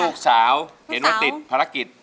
ลูกสาวเห็นว่าติดภารกิจ